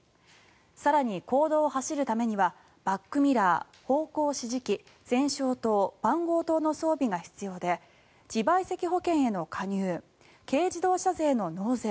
更に、公道を走るためにはバックミラー、方向指示器前照灯、番号灯の装備が必要で自賠責保険への加入軽自動車税の納税